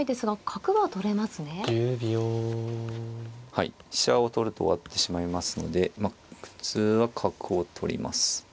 はい飛車を取ると終わってしまいますので普通は角を取ります。